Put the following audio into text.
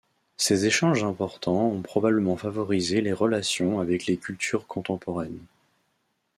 Ces échanges importants ont probablement favorisé les relations avec les cultures contemporaines.